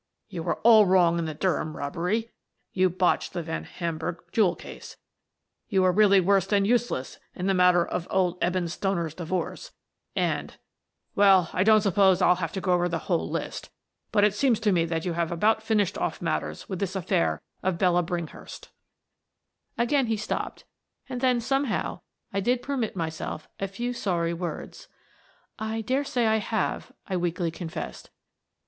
You were all wrong in the Durham robbery. You botched the Van Hamburgh jewel case. You were really worse than useless in the matter of old Eben Stealer's divorce. And — Well, I don't suppose 4 Miss Frances Baird, Detective SSSS==SSSSS=SS^E====^=SS===KS==ES======SSE=SSS==r I'll have to go over the whole list, but it seems to me that you've about finished off matters with this affair of Bella Bringhurst." Again he stopped and then, somehow, I did per mit myself a few sorry words. " I dare say I have," I weakly confessed.